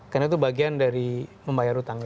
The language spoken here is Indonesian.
karena itu bagian dari membayar utang